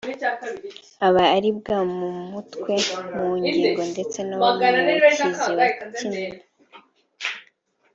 aba aribwa mu mutwe mu ngingo ndetse no mu kiziba k’inda